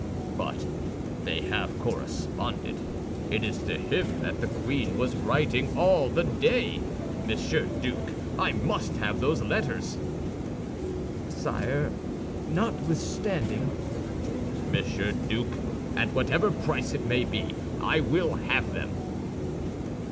"But they have corresponded; it is to him that the queen has been writing all the day. Monsieur Duke, I must have those letters!" "Sire, notwithstanding—" "Monsieur Duke, at whatever price it may be, I will have them."